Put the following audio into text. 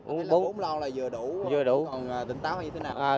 anh uống lon là vừa đủ còn tỉnh táo hay như thế nào